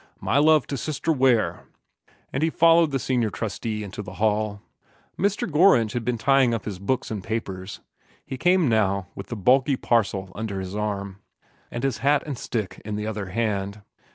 My love to Sister Ware;" and he followed the senior trustee into the hall. Mr. Gorringe had been tying up his books and papers. He came now with the bulky parcel under his arm, and his hat and stick in the other hand.